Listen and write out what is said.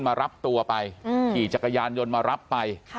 มารับตัวไปขี่จักรยานยนต์มารับไป